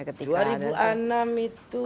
ketika ada itu dua ribu enam itu